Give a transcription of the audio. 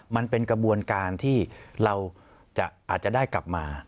มันเป็นกระบวนการที่เราอาจจะได้กลับมา